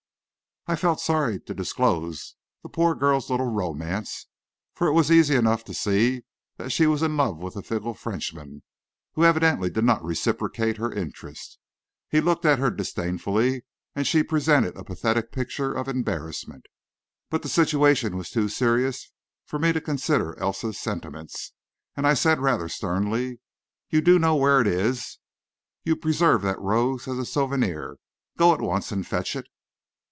I felt sorry to disclose the poor girl's little romance, for it was easy enough to see that she was in love with the fickle Frenchman, who evidently did not reciprocate her interest. He looked at her disdainfully, and she presented a pathetic picture of embarrassment. But the situation was too serious for me to consider Elsa's sentiments, and I said, rather sternly: "You do know where it is. You preserved that rose as a souvenir. Go at once and fetch it."